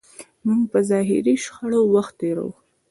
موږ په ظاهري شخړو وخت تېروو.